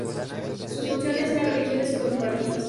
Sus funciones eran religiosas y conmemorativas.